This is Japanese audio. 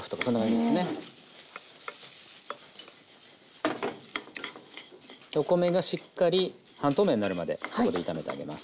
でお米がしっかり半透明になるまでここで炒めてあげます。